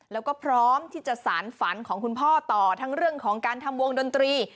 แล้วก็พร้อมที่จะสารฝันของคุณพ่อต่อทั้งเรื่องของการทำวงดนตรี